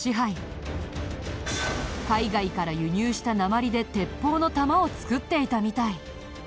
海外から輸入した鉛で鉄砲の弾をつくっていたみたい。